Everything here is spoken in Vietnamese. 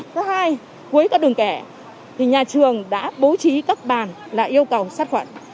trước hai cuối các đường kẻ thì nhà trường đã bố trí các bàn là yêu cầu sát khoản